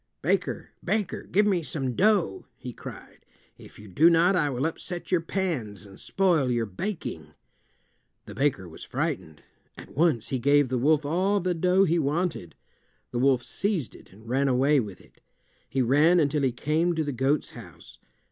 "Baker, baker, give me some dough," he cried. "If you do not I will upset your pans and spoil your baking." The baker was frightened. At once he gave the wolf all the dough he wanted. The wolf seized it and ran away with it. He ran until he came to the goat's house.